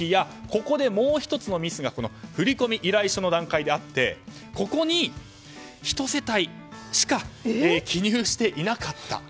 ここでもう１つのミスが振込依頼書の段階であってここに１世帯しか記入していなかった。